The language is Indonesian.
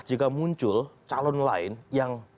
jika muncul calon lain yang